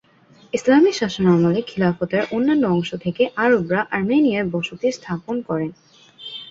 ইসলামী শাসনামলে খিলাফতের অন্যান্য অংশ থেকে আরবরা আর্মেনিয়ায় বসতি স্থাপন করে।